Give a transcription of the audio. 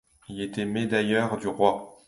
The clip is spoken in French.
Il était médailleur du roi.